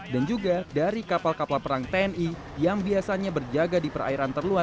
dan juga dari kapal kapal perang tni yang biasanya berjaga di perairan terluar